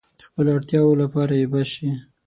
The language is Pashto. د خپلو اړتیاوو لپاره يې بس شي.